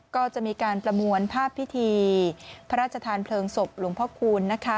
ก็จะมีการประมวลภาพพิธีพระราชทานเพลิงศพหลวงพ่อคูณนะคะ